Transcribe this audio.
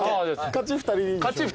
勝ち２人。